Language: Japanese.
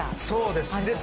そうですね。